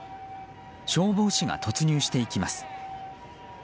消防士が突入していきます。